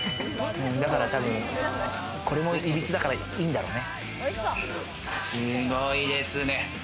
だからたぶん、これも、いびつだからいいんだろうね。